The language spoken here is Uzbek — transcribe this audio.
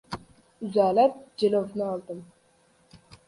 Uzalib, jilovni oldim.